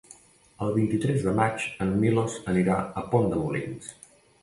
El vint-i-tres de maig en Milos anirà a Pont de Molins.